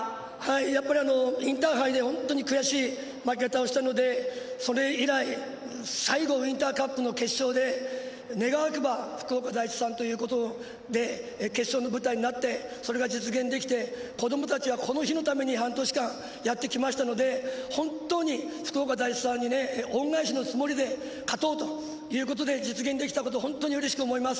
やっぱりインターハイですごく悔しい負け方をしたのでそれ以来、最後ウインターカップの決勝で願わくば福岡第一さんということで決勝の舞台になってそれが実現できて子どもたちはこの日のために半年間やってきましたので本当に福岡第一さんに恩返しのつもりで勝とうということで実現できたこと本当にうれしく思います。